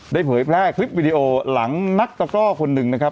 เผยแพร่คลิปวิดีโอหลังนักตะกร่อคนหนึ่งนะครับ